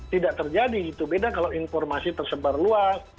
tidak terjadi itu beda kalau informasi tersebar luas